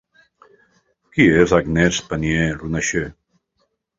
Qui és Agnès Pannier-Runacher?